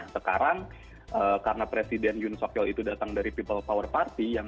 berkolaborasi berdiplomasi dan juga berkomunikasi dengan partai ini